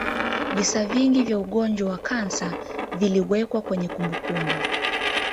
visa vingi vya ugonjwa wa kansa viliwekwa kwenye kumbukumbu